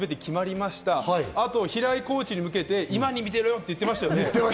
また平井コーチに向けて、今に見てろよ！と言ってましたよね。